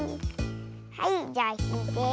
はいじゃあひいて。